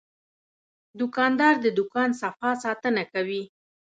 دوکاندار د دوکان صفا ساتنه کوي.